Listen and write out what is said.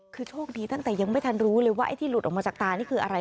คือโชคดีตั้งแต่ยังไม่ทันรู้เลยว่าไอ้ที่หลุดออกมาจากตานี่คืออะไร